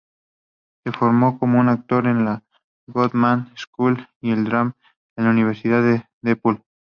Se formó como actor en la Goodman School of Drama en la Universidad DePaul.